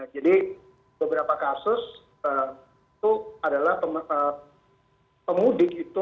jadi beberapa kasus itu adalah pemudik itu